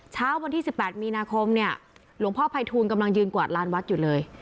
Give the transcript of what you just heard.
เช้าวันที่๑๘มีนาคมเนี่ยหลวงพ่อภัยทูลกำลังยืนกวาดลานวัดอยู่เลย